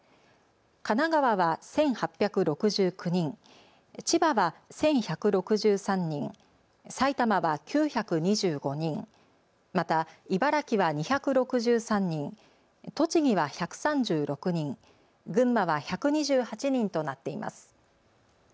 神奈川は１８６９人、千葉は１１６３人、埼玉は９２５人、また、茨城は２６３人、栃木は１３６人、群馬は１２８人となっています。